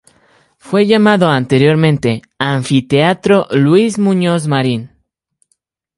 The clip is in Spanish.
Fue llamado anteriormente "Anfiteatro Luis Muñoz Marín".